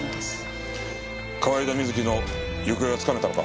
河井田瑞希の行方はつかめたのか？